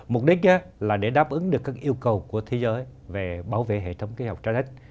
mục đích là để đáp ứng được các yêu cầu của thế giới về bảo vệ hệ thống y học trái đất